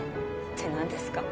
ってなんですか？